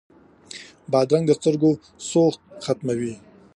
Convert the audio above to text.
بادرنګ د سترګو سوخت ختموي.